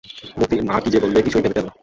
মোতির মা কী যে বলবে কিছুই ভেবে পেলে না।